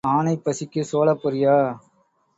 ஆனைப் பசிக்குச் சோளப் பெரியா?